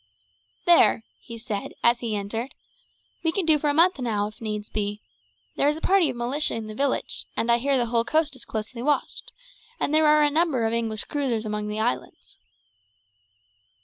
"There," he said as he entered; "we can do for a month now, if needs be. There is a party of militia in the village, and I hear the whole coast is closely watched, and there are a number of English cruisers among the islands."